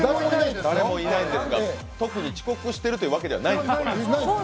誰もいないんですが、特に遅刻してるというわけではないんです。